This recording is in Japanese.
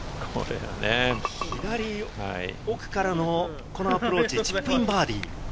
左奥からのこのアプローチ、チップインバーディー。